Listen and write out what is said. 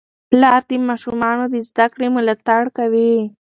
پلار د ماشومانو د زده کړې ملاتړ کوي.